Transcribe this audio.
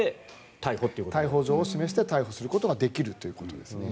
逮捕状を示して逮捕することができるということですね。